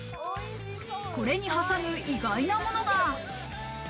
これに挟む意外なものが。